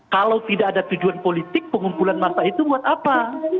kalau tidak ada tujuan politik pengumpulan masa itu buat apa